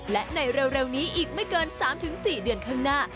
และในเร็วนี้อีกไม่เกิน๓๔เดือนข้างหน้า